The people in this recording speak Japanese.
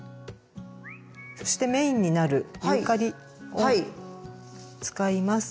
そしてメインになるユーカリを使います。